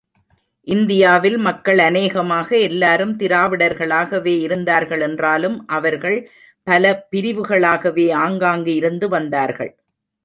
இந்தியாவில் மக்கள் அநேகமாக எல்லோரும் திராவிடர்களாகவே இருந்தார்கள் என்றாலும், அவர்கள் பல பிரிவுகளாகவே ஆங்காங்கு இருந்து வந்தார்கள்.